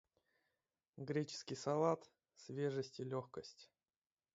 Греческий салат - свежесть и легкость.